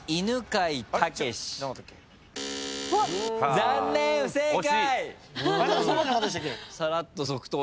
残念不正解！